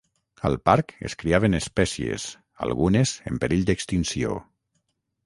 Al parc es criaven espècies, algunes en perill d'extinció.